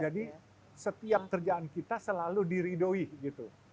jadi setiap kerjaan kita selalu diridoi gitu